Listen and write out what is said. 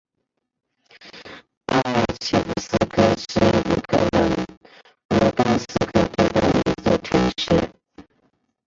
阿尔切夫斯克是乌克兰卢甘斯克州的一座城市。